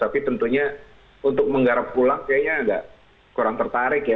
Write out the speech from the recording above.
tapi tentunya untuk menggarap pulang kayaknya agak kurang tertarik ya